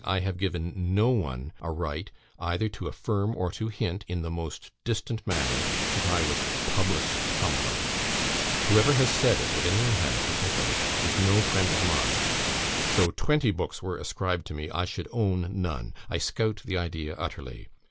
I have given NO ONE a right either to affirm, or to hint, in the most distant manner, that I was 'publishing' (humbug!) Whoever has said it if any one has, which I doubt is no friend of mine. Though twenty books were ascribed to me, I should own none. I scout the idea utterly.